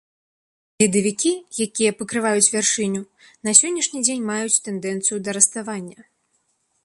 Ледавікі, якія пакрываюць вяршыню, на сённяшні дзень маюць тэндэнцыю да раставання.